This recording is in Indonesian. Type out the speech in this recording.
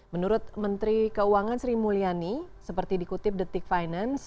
menurut menteri keuangan sri mulyani seperti dikutip detik finance